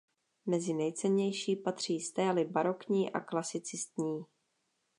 Mezi nejcennější patří stély barokní a klasicistní.